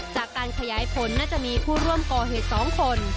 จากการขยายผลน่าจะมีผู้ร่วมก่อเหตุ๒คน